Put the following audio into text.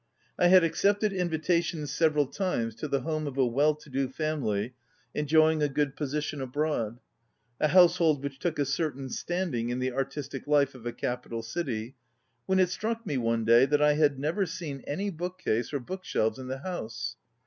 I had accepted invitations several times to the home of a well to do family enjoying a good position abroad, ŌĆö a house hold which took a certain standing in the artistic life of a capital city, ŌĆö when it struck me one day that I had never seen any book case or book shelves in the house.